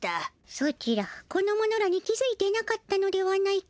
ソチらこの者らに気づいていなかったのではないか？